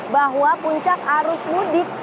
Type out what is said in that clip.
bahwa puncak arus mudik